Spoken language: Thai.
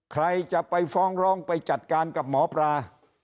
ใครจะไปฟ้องร้องไปจัดการกับหมอปลา